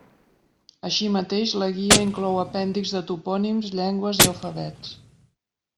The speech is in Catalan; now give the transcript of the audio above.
Així mateix, la guia inclou apèndixs de topònims, llengües i alfabets.